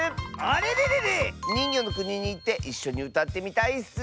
あれれれれ！にんぎょのくににいっていっしょにうたってみたいッス！